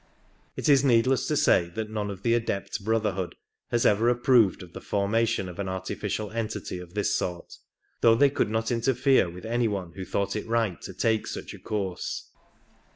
It is needless to say that none of the Adept Brotherhood has ever approved of the formation of an artificial entity of this sort, though they could not interfere with any one who thought it right to take such a course.